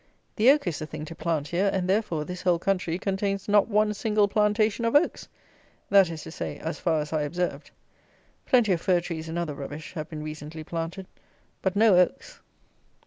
The oak is the thing to plant here; and, therefore, this whole country contains not one single plantation of oaks! That is to say, as far as I observed. Plenty of fir trees and other rubbish have been recently planted; but no oaks.